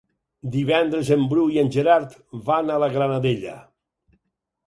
Divendres en Bru i en Gerard van a la Granadella.